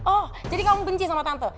oh jadi kamu benci sama tante